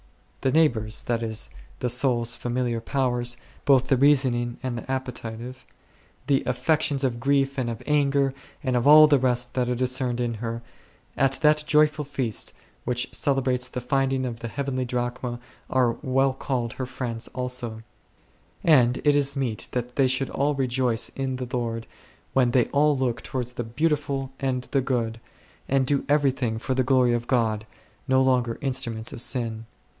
The neighbours, that is, the soul's familiar powers, both the reasoning and the appetitive, the affec tions of grief and of anger, and all the rest that are discerned in her, at that joyful feast which celebrates the finding of the heavenly Drachma are well called her friends also ; and it is meet that they should all rejoice in the Lord when they all look towards the Beautiful and the Good, and do everything for the glory of God, no longer instruments of sin 7.